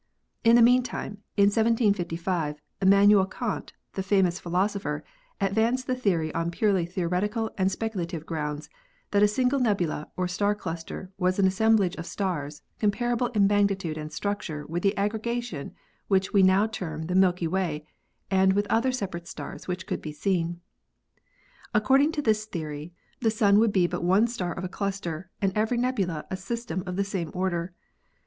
In the meantime, in 1755 Immanuel Kant, the famous philoso pher, advanced the theory on purely theoretical and specu lative grounds that a single nebula or star cluster was an assemblage of stars, comparable in magnitude and struc ture with the aggregation which we now term the Milky Way and the other separate stars which can be seen. Ac cording to this theory, the Sun would be but one star of a cluster and every nebula a system of the same order.